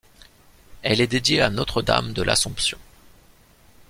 Elle est dédiée à Notre-Dame de l'Assomption.